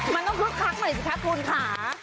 มันต้องคึกคักหน่อยสิคะคุณค่ะ